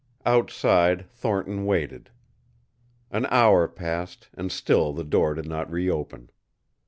Outside Thornton waited. An hour passed and still the door did not reopen.